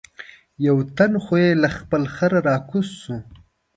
یو تن خو یې له خپل خره را کوز شو.